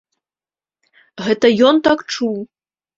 Гэта ён так чуў!